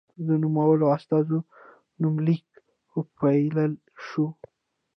د نومولو استازو نومليک وپايلل شو.